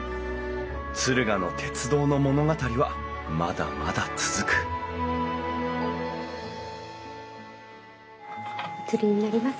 敦賀の鉄道の物語はまだまだ続くお釣りになります。